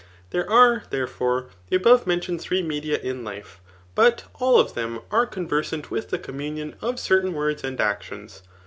There are, therefbiT, the above mentioned three media in life ; but all of them are conversant with the communion of certain words and actions.